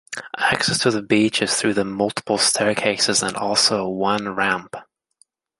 Access to the beach is through the multiple staircases and also one ramp.